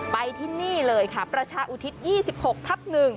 ไปที่นี่เลยค่ะประชาอุทิศ๒๖ทับ๑